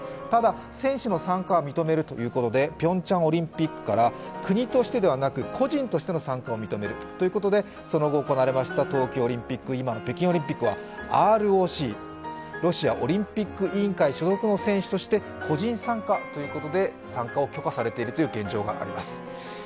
ただ、選手の参加は認めるということでピョンチャンオリンピックから国としてではなく個人としての参加を認めるということでその後、行われました東京オリンピック、今の北京オリンピックはＲＯＣ＝ロシアオリンピック委員会所属の選手として個人参加ということで、参加を許可されている現状があります。